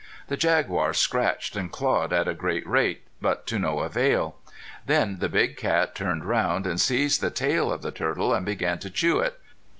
The jaguar scratched and clawed at a great rate, but to no avail. Then the big cat turned round and seized the tail of the turtle and began to chew it.